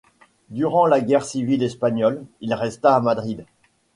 Durant la Guerre civile espagnole, il resta à Madrid.